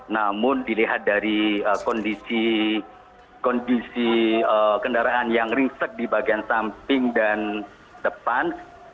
namun dilihat dari kondisi kendaraan yang riset di bagian samping dan depan